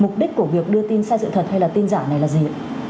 mục đích của việc đưa tin sai sự thật hay tin giả này là gì